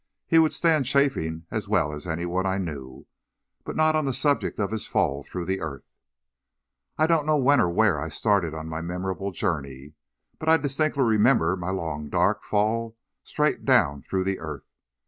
He would stand chaffing as well as anyone I knew, but not on the subject of his fall through the earth. "I don't know when or where I started on my memorable journey, but I distinctly remember my long, dark fall straight down through the earth.